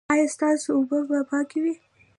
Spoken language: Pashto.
ایا ستاسو اوبه به پاکې وي؟